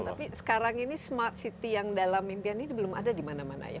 tapi sekarang ini smart city yang dalam impian ini belum ada di mana mana ya